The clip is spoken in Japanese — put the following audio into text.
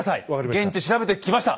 現地調べてきました。